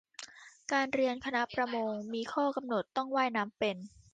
การเรียนคณะประมง มีข้อกำหนดต้องว่ายน้ำเป็น